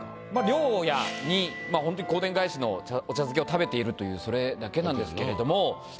良夜にホントに香典返しのお茶漬けを食べているというそれだけなんですけれども。